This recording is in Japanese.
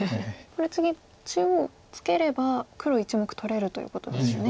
これ次中央ツケれば黒１目取れるということですよね